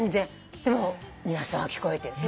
でも皆さんは聞こえてる。